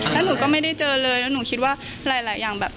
แล้วหนูก็ไม่ได้เจอเลยแล้วหนูคิดว่าหลายอย่างแบบ